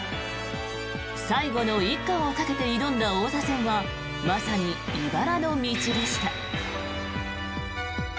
最後の一冠をかけて挑んだ王座戦はまさにいばらの道でした。